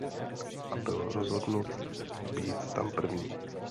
A byl rozhodnut být tam první.